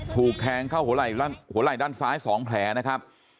ถูกแทงเข้าหัวไหล่ด้านซ้าย๒แผลนะครับ